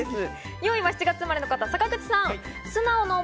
４位は７月生まれの方、坂口さん。